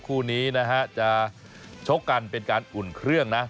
คู่นี้นะฮะจะชกกันเป็นการอุ่นเครื่องนะ